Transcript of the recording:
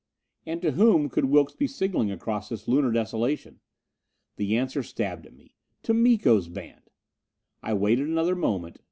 And to whom could Wilks be signalling across this Lunar desolation? The answer stabbed at me: to Miko's band! I waited another moment.